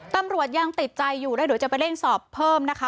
ตำรวจยังติดใจอยู่แล้วเดี๋ยวจะไปเร่งสอบเพิ่มนะคะ